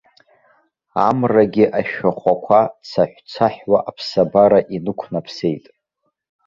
Амрагьы ашәахәақәа цаҳәцаҳәуа аԥсабара инықәнаԥсеит.